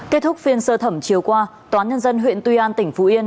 kết thúc phiên sơ thẩm chiều qua tòa nhân dân huyện tuy an tỉnh phú yên